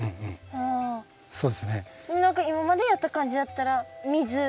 何か今までやった感じだったら水。